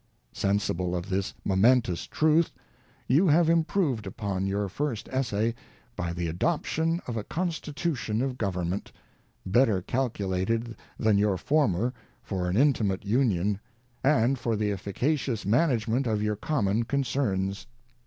ŌĆö Sensible of this momentous truth, you have improved upon your first essay, by the adoption of a Con stitution of Government, better calculated than your former for an intimate Union, and for the efficacious management of your common concerns.